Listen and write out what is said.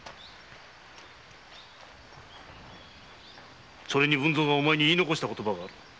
文造がお前に言い遺した言葉がある。